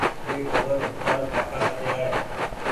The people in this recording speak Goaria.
ۮي کبر تآرو ڪآڪآ ڪۮي آئي